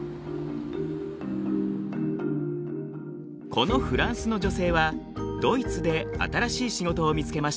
このフランスの女性はドイツで新しい仕事を見つけました。